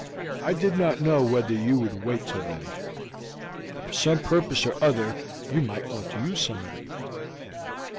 I did not know whether you would wait till then, for some purpose or other you might want to use some of it."